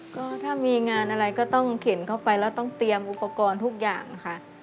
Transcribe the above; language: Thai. ก็ถ้ามีงานอะไรก็ต้องเข็นเข้าไปแล้วต้องเตรียมอุปกรณ์ทุกอย่างค่ะ